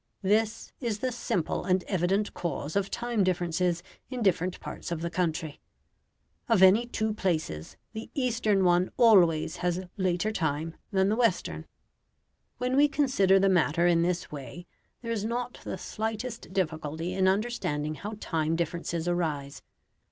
This is the simple and evident cause of time differences in different parts of the country. Of any two places the eastern one always has later time than the western. When we consider the matter in this way there is not the slightest difficulty in understanding how time differences arise.